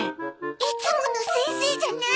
いつもの先生じゃない！